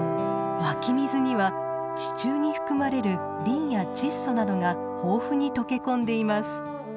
湧き水には地中に含まれるリンや窒素などが豊富に溶け込んでいます。